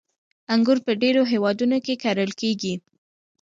• انګور په ډېرو هېوادونو کې کرل کېږي.